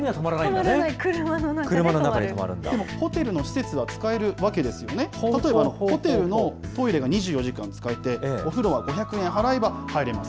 でも、ホテルの施設は使えるわけですね、例えば、トイレは２４時間使えて、お風呂は５００円払えば入れます。